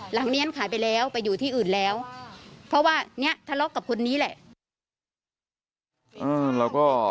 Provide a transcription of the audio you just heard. หลังนี้อันขายไปแล้วไปอยู่ที่อื่นแล้วเพราะว่าเนี่ยทะเลาะกับคนนี้แหละ